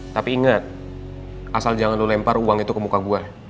tapi ingat asal jangan lu lempar uang itu ke muka gue